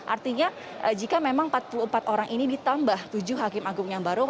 artinya jika memang empat puluh empat orang ini ditambah tujuh hakim agung yang baru